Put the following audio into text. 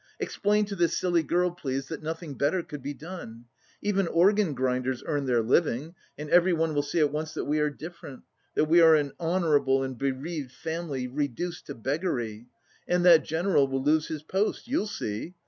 "Explain to this silly girl, please, that nothing better could be done! Even organ grinders earn their living, and everyone will see at once that we are different, that we are an honourable and bereaved family reduced to beggary. And that general will lose his post, you'll see!